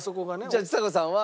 じゃあちさ子さんは。